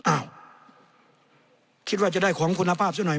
อ้าวคิดว่าจะได้ของคุณภาพซะหน่อย